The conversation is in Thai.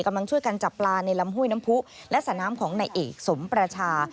กำลังช่วยกันจับปลาในลำห้วยน้ำผู้และสระน้ำของนายเอกสมประชา